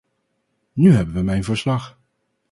Nu hebben we mijn verslag.